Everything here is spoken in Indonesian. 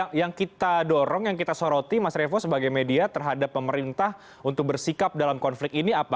nah yang kita dorong yang kita soroti mas revo sebagai media terhadap pemerintah untuk bersikap dalam konflik ini apa